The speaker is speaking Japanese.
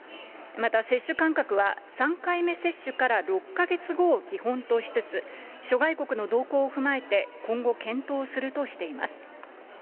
また接種間隔は、３回目接種から６か月後を基本としつつ、諸外国の動向を踏まえて、今後、検討するとしています。